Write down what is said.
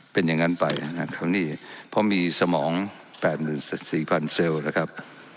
เป็นอย่างงั้นไปนะครับนี่เพราะมีสมองแปดหมื่นสิบสี่พันเซลล์นะครับ